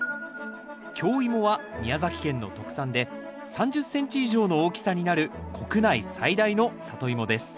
京イモは宮崎県の特産で３０ｃｍ以上の大きさになる国内最大のサトイモです